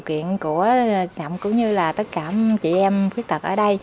điều kiện của sầm cũng như là tất cả chị em quyết tật ở đây